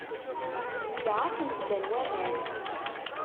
Yedda akken ddan waman.